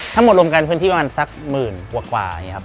ทั้งหมดรวมกันพื้นที่ประมาณสักหมื่นกว่านี่ครับ